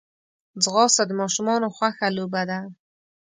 ځغاسته د ماشومانو خوښه لوبه ده